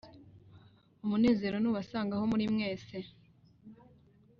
umunezero nubasange! aho muri mwese